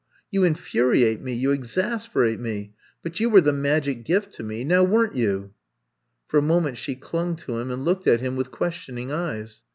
You infuriate me, you exasperate me — but you were the magic gift to me — ^now were n't youf '' For a moment she clung to him and looked at him with questioning eyes.